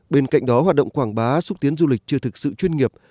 bên cạnh đó hoạt động quảng bá xúc tiến du lịch chưa thực sự chuyên nghiệp